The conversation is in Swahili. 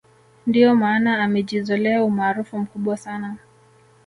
ndio maana amejizolea umaarufu mkubwa sana